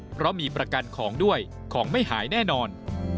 เพราะมีประกันของด้วยของไม่หายแน่นอน